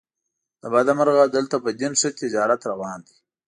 له بده مرغه دلته په دین ښه تجارت روان دی.